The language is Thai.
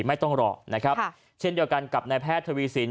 ไม่ต้องรอนะครับเช่นเดียวกันกับนายแพทย์ทวีสิน